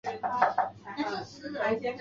岳起依法办理。